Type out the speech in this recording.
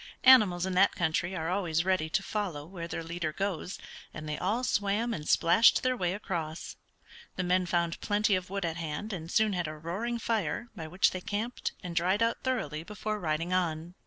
Animals in that country are always ready to follow where their leader goes, and they all swam and splashed their way across. The men found plenty of wood at hand, and soon had a roaring fire, by which they camped, and dried out thoroughly before riding on.